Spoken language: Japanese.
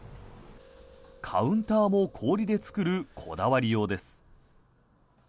カウンターも氷で作るこだわりようです。